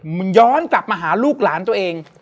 มันย้อนกลับมาหาลูกหลานตัวเอง